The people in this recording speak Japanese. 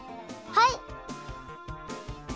はい！